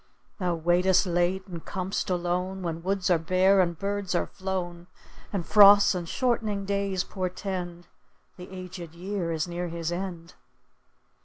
Thou waitest late and com'st alone, When woods are bare and birds are flown, And frosts and shortening days portend The aged year is near his end.